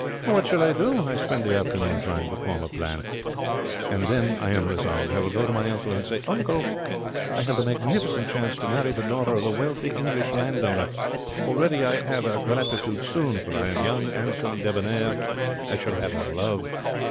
What shall I do? I spend the afternoon trying to form a plan. And then I am resolved. I will go to my uncle and say: 'Uncle, I have the magnificent chance to marry the daughter of wealthy English landowner. Already I 'ave her gratitude. Soon for I am young, 'andsome, debonair I shall 'ave her love.